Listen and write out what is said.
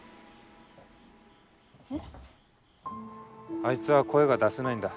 あいつは声が出せないんだ。